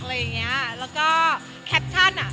แล้วก็แคปชั่นอ่ะ